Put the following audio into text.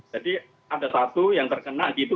jadi ada satu yang terkena gitu